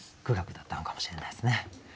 苦学だったのかもしれないですね。